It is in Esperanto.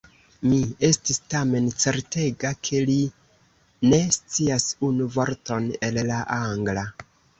Mi estis tamen certega, ke li ne scias unu vorton el la Angla.